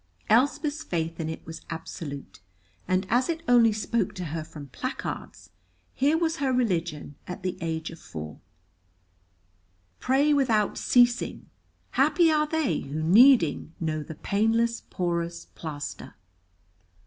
Elspeth's faith in it was absolute, and as it only spoke to her from placards, here was her religion, at the age of four: "PRAY WITHOUT CEASING. HAPPY ARE THEY WHO NEEDING KNOW THE PAINLESS POROUS PLASTER."